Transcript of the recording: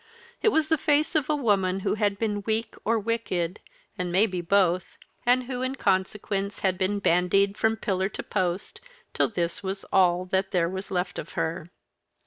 It was the face of a woman who had been weak or wicked, and maybe both, and who in consequence had been bandied from pillar to post, till this was all that there was left of her.